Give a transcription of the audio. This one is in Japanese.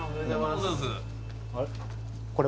あれ？